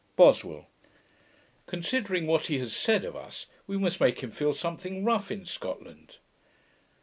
BOSWELL. 'Considering what he has said of us, we must make him feel something rough in Scotland.'